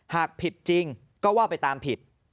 หากผิดจริงก็ว่าไปตามผิด